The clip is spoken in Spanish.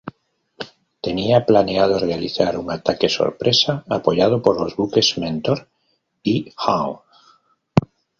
Tenía planeado realizar un ataque sorpresa apoyado por los buques "Mentor" y "Hound".